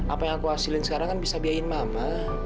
apa yang aku hasilin sekarang kan bisa biayain mama